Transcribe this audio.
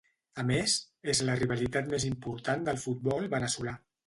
A més, és la rivalitat més important del futbol veneçolà.